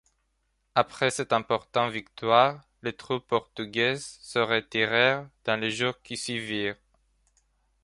Après cette importante victoire, les troupes portugaises se retirèrent dans les jours qui suivirent.